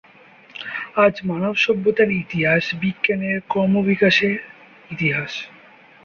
আজ মানব সভ্যতার ইতিহাস বিজ্ঞানের ক্রম বিকাশের ইতিহাস।